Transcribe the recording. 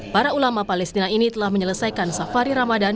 para ulama palestina ini telah menyelesaikan safari ramadan